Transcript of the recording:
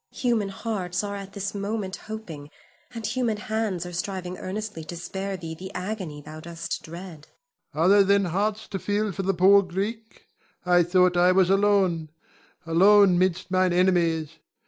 Human hearts are at this moment hoping, and human hands are striving earnestly to spare thee the agony thou dost dread. Ion. Are there then hearts to feel for the poor Greek? I had thought I was alone, alone 'mid mine enemies.